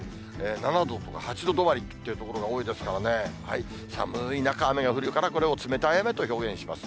７度とか８度止まりという所が多いですからね、寒い中、雨が降るから、これを冷たい雨と表現します。